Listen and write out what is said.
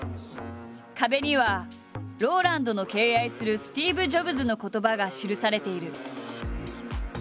壁にはＲＯＬＡＮＤの敬愛するスティーブ・ジョブズの言葉が記されている。